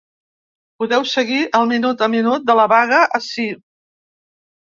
Podeu seguir el minut-a-minut de la vaga ací.